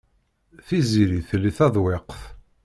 Tiziri telli taḍwiqt.